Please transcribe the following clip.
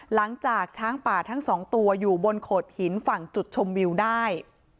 หลังจากช้างป่าทั้งสองตัวอยู่บนโขดหินฝั่งจุดชมวิวได้